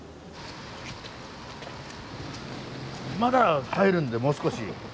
まだ入るんでもう少し。